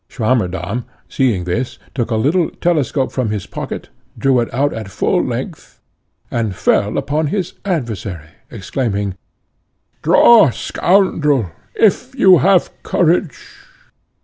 Swammerdamm, seeing this, took a little telescope from his pocket, drew it out at full length, and fell upon his adversary, exclaiming, "Draw, scoundrel, if you have courage!"